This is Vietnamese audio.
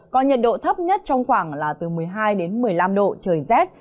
còn nhiệt độ thấp nhất trong khoảng là từ một mươi hai đến một mươi năm độ trời rét